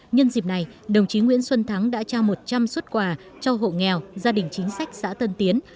nhân dịp này đồng chí nguyễn xuân thắng đã trao một trăm linh xuất quà cho hộ nghèo gia đình chính sách xã tân tiến